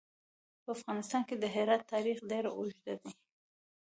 په افغانستان کې د هرات تاریخ ډېر اوږد دی.